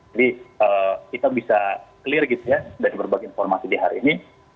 jadi kita bisa clear gitu ya dari berbagai informasi di hari ini